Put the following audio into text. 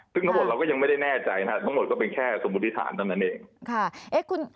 ซึ่งทั้งหมดเราก็ยังไม่ได้แน่ใจทั้งหมดก็เป็นแค่สมุทิศาลตั้งนั้นเอง